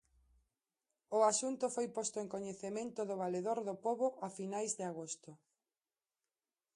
O asunto foi posto en coñecemento do Valedor do Pobo a finais de agosto.